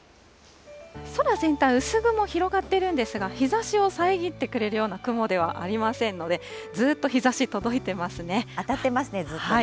空全体、薄雲広がっているんですが、日ざしを遮ってくれるような雲ではありませんので、ずっと日ざし当たってますね、ずっとね。